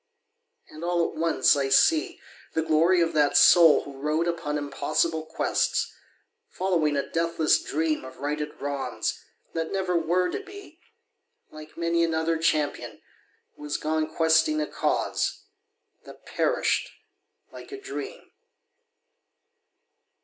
And all at once I see The glory of that soul who rode upon Impossible quests, following a deathless dream Of righted wrongs, that never were to be, Like many another champion who has gone Questing a cause that perished like a dream.